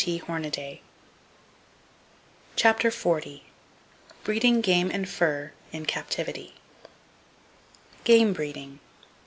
[Page 369] CHAPTER XL BREEDING GAME AND FUR IN CAPTIVITY Game Breeding.